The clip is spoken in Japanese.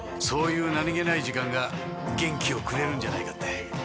そういう何げない時間が元気をくれるんじゃないかって。